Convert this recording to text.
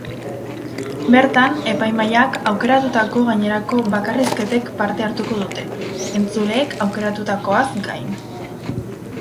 Bertan, epaimahaiak aukeratutako gainerako bakarrizketek parte hartuko dute, entzuleek aukeratutakoaz gain.